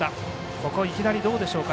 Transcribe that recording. ここ、いきなりどうでしょうか。